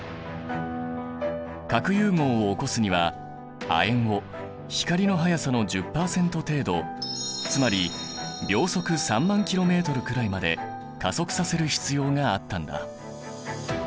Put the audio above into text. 核融合を起こすには亜鉛を光の速さの１０％程度つまり秒速３万ｋｍくらいまで加速させる必要があったんだ。